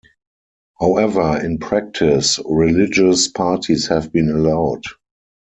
However, in practice, religious parties have been allowed.